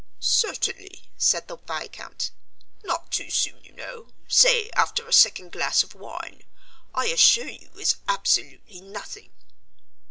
"Certainly," said the Viscount. "Not too soon, you know say after a second glass of wine. I assure you it's absolutely nothing."